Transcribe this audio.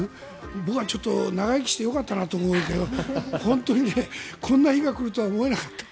僕は長生きしてよかったなと思うんだけど本当に、こんな日が来るとは思えなかった。